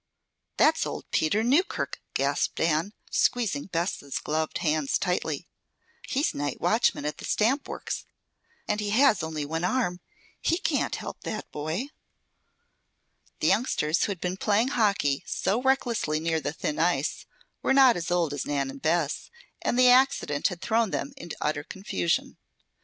"That's old Peter Newkirk," gasped Nan, squeezing Bess' gloved hands tightly. "He's night watchman at the stamp works, and he has only one arm. He can't help that boy." The youngsters who had been playing hockey so recklessly near the thin ice, were not as old as Nan and Bess, and the accident had thrown them into utter confusion.